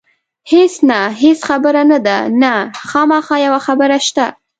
هېڅ نه، هېڅ خبره نه ده، نه، خامخا یوه خبره شته.